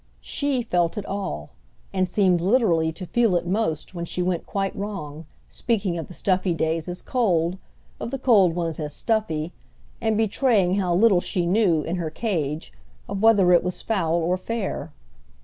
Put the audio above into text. She felt it all, and seemed literally to feel it most when she went quite wrong, speaking of the stuffy days as cold, of the cold ones as stuffy, and betraying how little she knew, in her cage, of whether it was foul or fair.